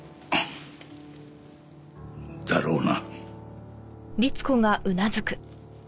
だろうな。